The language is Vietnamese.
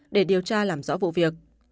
để điều tra làm rõ vụ việc